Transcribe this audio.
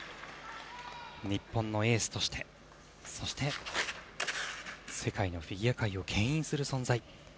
日本のエースとしてそして、世界のフィギュア界を牽引する存在。